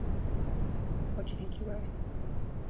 What do you think you weigh?